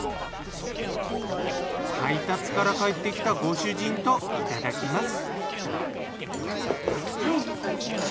配達から帰ってきたご主人といただきます。